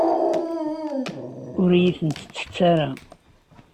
Ur iyi-tent-ttett ara.